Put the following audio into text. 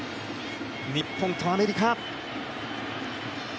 日本とアメリカ。